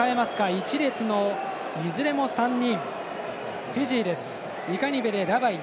１列のいずれも３人。